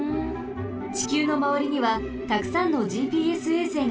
ちきゅうのまわりにはたくさんのＧＰＳ衛星があります。